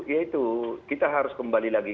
yaitu kita harus kembali lagi